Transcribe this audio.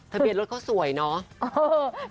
ทะเบียดรถก็สวยเนาะ